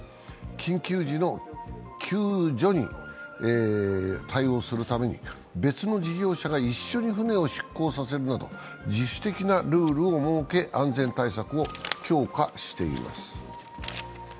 緊急時の救助に対応するために別の事業者が一緒に船を出航させるなど自主的なルールを設け安全対策を強化しています。